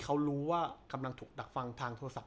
เขารู้ว่ากำลังถูกดักฟังทางโทรศัพ